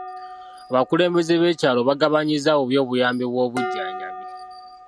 Abakulembeze b'ekyalo baagabanyizza bubi obuyambi bw'obujjanjabi.